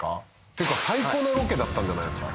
ってか最高のロケだったんじゃないですか？